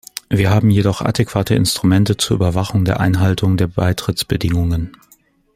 Wir haben jedoch adäquate Instrumente zur Überwachung der Einhaltung der Beitrittsbedingungen.